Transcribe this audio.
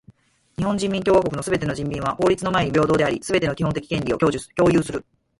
日本人民共和国のすべての人民は法律の前に平等であり、すべての基本的権利を享有する。